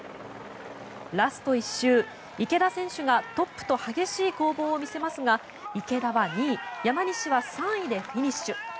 ラスト１周、池田選手がトップと激しい攻防を見せますが池田は２位山西は３位でフィニッシュ。